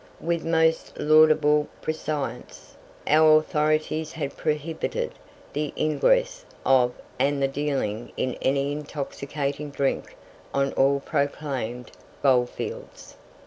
With most laudable prescience, our authorities had prohibited the ingress of and the dealing in any intoxicating drink on all proclaimed goldfields.